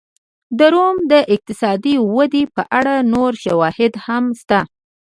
د روم د اقتصادي ودې په اړه نور شواهد هم شته